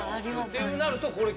ってなるとこれ。